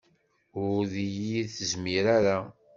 Ur d iyi-tezmir ara.